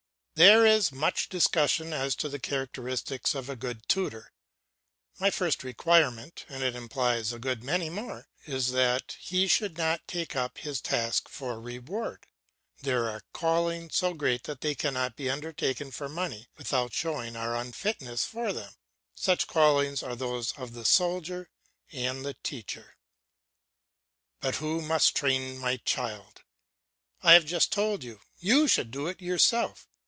There is much discussion as to the characteristics of a good tutor. My first requirement, and it implies a good many more, is that he should not take up his task for reward. There are callings so great that they cannot be undertaken for money without showing our unfitness for them; such callings are those of the soldier and the teacher. "But who must train my child?" "I have just told you, you should do it yourself."